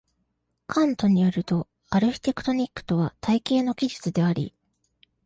カントに依ると、アルヒテクトニックとは「体系の技術」であり、